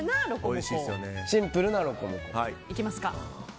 シンプルなロコモコいきますか。